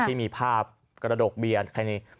ที่มีภาพกระดกเบียนใครนี่